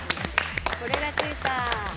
これがついた！